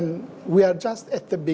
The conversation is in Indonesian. dan kita baru saja di tahap